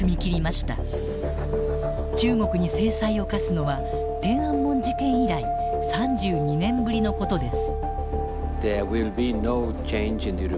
中国に制裁を科すのは天安門事件以来３２年ぶりのことです。